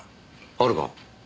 あるか？